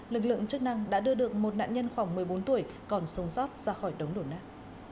lực lượng chức năng đã đưa được một nạn nhân khoảng một mươi bốn tuổi còn sống sót ra khỏi đống đổ nát